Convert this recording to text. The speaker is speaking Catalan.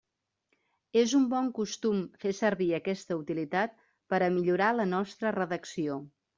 És un bon costum fer servir aquesta utilitat per a millorar la nostra redacció.